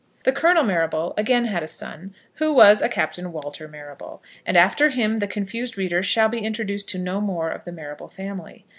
The Colonel Marrable again had a son, who was a Captain Walter Marrable, and after him the confused reader shall be introduced to no more of the Marrable family.